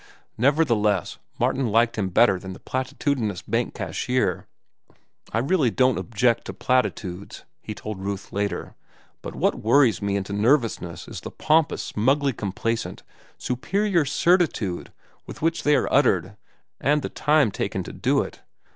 Nevertheless Martin liked him better than the platitudinous bank cashier. "I really don't object to platitudes," he told Ruth later; "but what worries me into nervousness is the pompous, smugly complacent, superior certitude with which they are uttered and the time taken to do it.